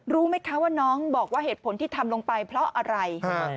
รู้ไหมคะว่าน้องบอกว่าเหตุผลที่ทำลงไปเพราะอะไร